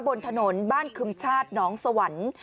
บนถนนบ้านคึมชาติน้องสวรรค์